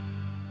sejak lama ini